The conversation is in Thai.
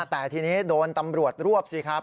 แต่ทีนี้โดนตำรวจรวบสิครับ